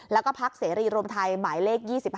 แล้วก็พักเสรีรวมไทยหมายเลข๒๕